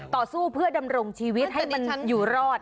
ต่อสู้เพื่อดำรงชีวิตให้มันอยู่รอด